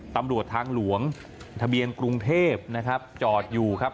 ตำรวจทางหลวงทะเบียนกรุงเทพนะครับจอดอยู่ครับ